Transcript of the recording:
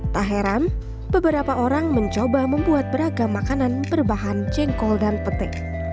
tak heran beberapa orang mencoba membuat beragam makanan berbahan jengkol dan pete